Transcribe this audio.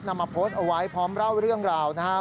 มาโพสต์เอาไว้พร้อมเล่าเรื่องราวนะครับ